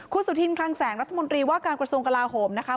คุณสุธินคลังแสงรัฐมนตรีว่าการกระทรวงกลาโหมนะคะ